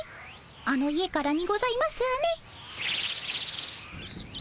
あの家からにございますね。